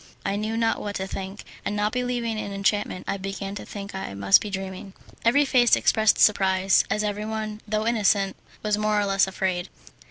I knew not what to think, and not believing in enchantment I began to think I must be dreaming. Every face expressed surprise, as everyone, though innocent, was more or less afraid.